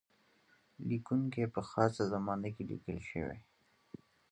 لیکونکی په خاصه زمانه کې لیکل شوی.